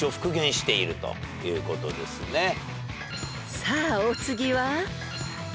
［さあお次は］